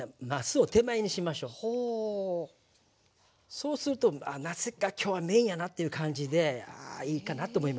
そうするとなすが今日はメインやなっていう感じでいいかなと思います。